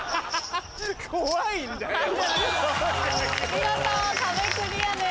見事壁クリアです。